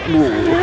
kamu kenapa sih